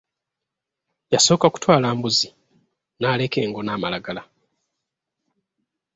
Yasooka kutwala mbuzi n’aleka engo n’amalagala.